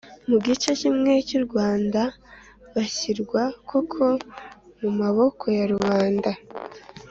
mu gice kimwe cy' u rwanda bushyirwa koko mu maboko ya rubanda,